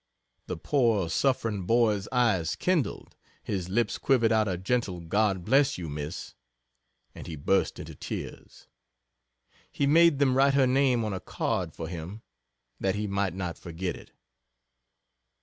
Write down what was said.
The poor suffering boy's eyes kindled, his lips quivered out a gentle "God bless you, Miss," and he burst into tears. He made them write her name on a card for him, that he might not forget it.